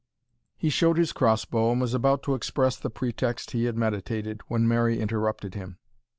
He showed his cross bow, and was about to express the pretext he had meditated, when Mary interrupted him.